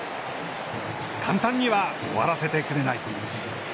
簡単には終わらせてくれない。